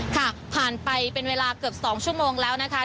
ผ่านไปเป็นเวลาเกือบ๒ชั่วโมงแล้วนะคะ